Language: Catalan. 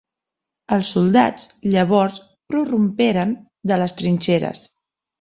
Els soldats, llavors, prorromperen de les trinxeres.